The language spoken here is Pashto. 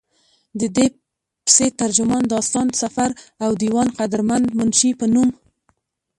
ددې پسې، ترجمان، داستان سفر او ديوان قدرمند منشي پۀ نوم